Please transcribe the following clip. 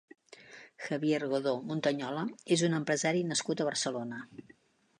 Javier Godó Muntañola és un empresari nascut a Barcelona.